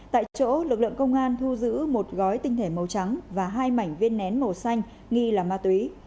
tại chỗ lực lượng công an thu giữ một gói tinh thể màu trắng và hai mảnh viên nén màu xanh nghi là ma túy